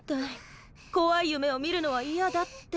「こわい夢を見るのはいやだ」って。